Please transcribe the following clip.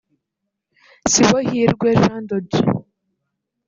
Sibohirwe Jean de Dieu